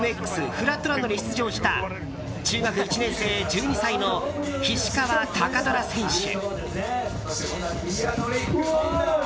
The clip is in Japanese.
フラットランドに出場した中学１年生、１２歳の菱川高虎選手。